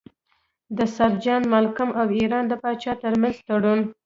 د سر جان مالکم او ایران د پاچا ترمنځ تړون.